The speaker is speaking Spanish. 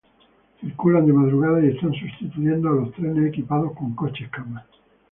Circulan de madrugada y están sustituyendo a los trenes equipados con coches-cama.